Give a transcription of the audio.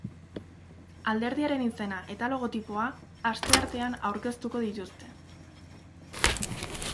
Alderdiaren izena eta logotipoa asteartean aurkeztuko dituzte.